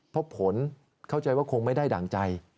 เพราะผลเข้าใจว่าคงไม่ได้ดั่งใจ